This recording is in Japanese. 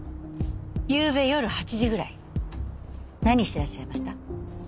ゆうべ夜８時ぐらい何してらっしゃいました？